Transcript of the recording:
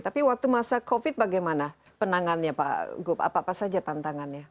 tapi waktu masa covid bagaimana penanganannya pak gup apa apa saja tantangannya